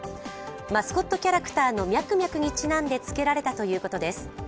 マスコットキャラクターのミャクミャクにちなんでつけられたということです。